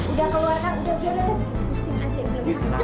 udah keluar kang udah udah udah bikin pusing aja